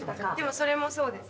それもそうです。